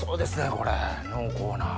これ濃厚な。